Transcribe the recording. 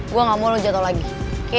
gue gak mau lo jatuh lagi oke